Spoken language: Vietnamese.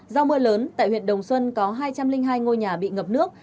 do mưa lớn tại huyện đồng xuân có hai trăm linh hai ngôi nhà bị ngập nước